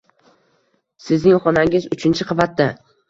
Sizning xonangiz uchinchi qavatda.